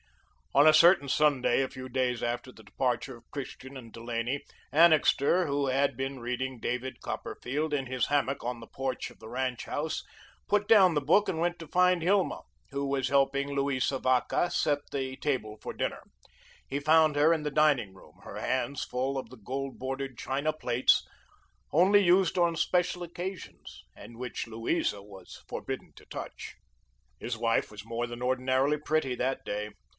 On a certain Sunday, a few days after the departure of Christian and Delaney, Annixter, who had been reading "David Copperfield" in his hammock on the porch of the ranch house, put down the book and went to find Hilma, who was helping Louisa Vacca set the table for dinner. He found her in the dining room, her hands full of the gold bordered china plates, only used on special occasions and which Louisa was forbidden to touch. His wife was more than ordinarily pretty that day.